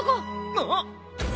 あっ。